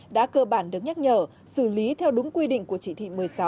đã cơ bản được nhắc nhở xử lý theo đúng quy định của chỉ thị một mươi sáu